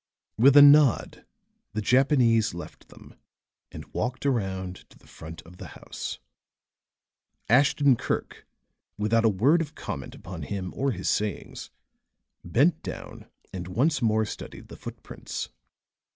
With a nod the Japanese left them and walked around to the front of the house; Ashton Kirk, without a word of comment upon him or his sayings, bent down and once more studied the foot prints.